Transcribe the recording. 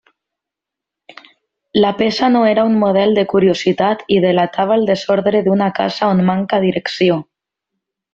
La peça no era un model de curiositat i delatava el desordre d'una casa on manca direcció.